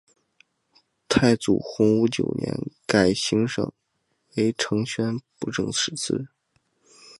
太祖洪武九年改行省为承宣布政使司。